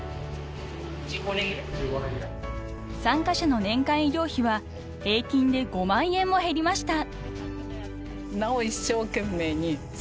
［参加者の年間医療費は平均で５万円も減りました］